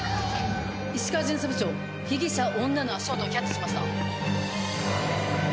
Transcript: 石川巡査部長被疑者女の足音をキャッチしました。